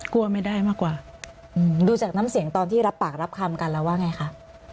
กลัวไม่ได้มากกว่าดูจากน้ำเสียงตอนที่รับปากรับคำกันแล้วว่าไงคะ